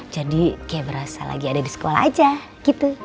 jadi kayak berasa lagi ada di sekolah aja gitu